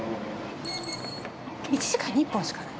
１時間に１本しかない。